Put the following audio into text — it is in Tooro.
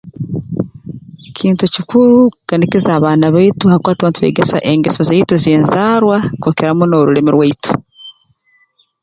Kintu kikuru kuganikiza abaana baitu habwokuba tuba ntubeegesa engeso zaitu z'enzarwa kukira muno orulimi rwaitu